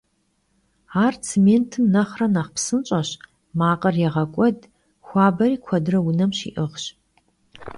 Ar tsêmêntım nexhre nexh psınş'eş, makhır yêğek'ued, xuaberi kuedre vunem şi'ığş.